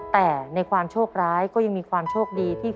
แต่ในความโชคร้ายก็ยังมีความโชคดีที่